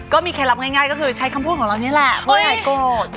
ก็มีแค่รับง่ายก็คือใช้คำพูดของเรานี่แหละเพื่อหายโกรธ